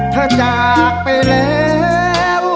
เธอจากไปแล้ว